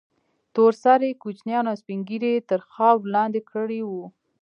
تور سرې كوچنيان او سپين ږيري يې تر خاورو لاندې كړي وو.